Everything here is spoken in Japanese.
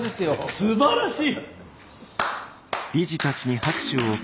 すばらしい。